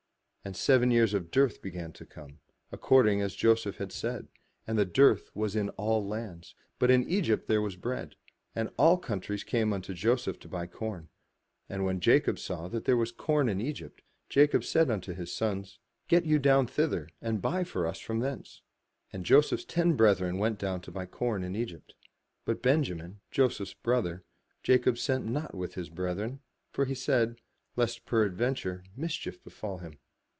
And seven years of dearth began to come, according as Joseph had said: and the dearth was in all lands; but in Egypt there was bread. And all countries came unto Joseph for to buy corn. And when Jacob saw that there was corn in Egypt, Jacob said unto his sons: ''Get you down thither, and buy for us from thence." And Joseph's ten brethren went down to buy corn in Egypt. But Benjamin, Joseph's brother, Jacob sent not with his brethren; for he said, ''Lest perad venture, mischief befall him."